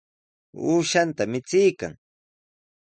Uushanta michiykan.